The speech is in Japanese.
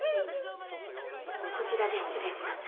こちらで失礼します。